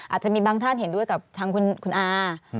อาจจะมีบางท่านเห็นด้วยกับทางคุณอา